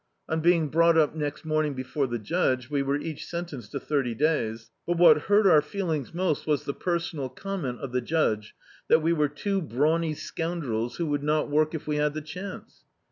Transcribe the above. On being brought up next morning before the judge, we were each sentenced to thirty days. But what hurt our feelings most was the personal comment of the judge — that we were two brawny scoundrels who would not work if we had the chance.